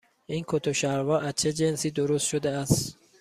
این کت و شلوار از چه جنسی درست شده است؟